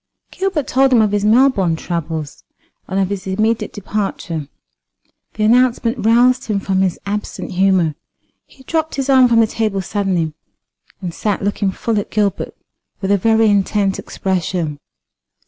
Gilbert told him of his Melbourne troubles, and of his immediate departure. The announcement roused him from his absent humour. He dropped his arm from the table suddenly, and sat looking full at Gilbert with a very intent expression.